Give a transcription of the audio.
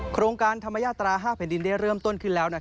โครงการธรรมยาตรา๕แผ่นดินได้เริ่มต้นขึ้นแล้ว